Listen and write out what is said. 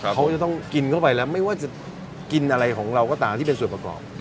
เขาจะต้องกินเข้าไปแล้วไม่ว่าจะกินอะไรของเราก็ตามที่เป็นส่วนประกอบ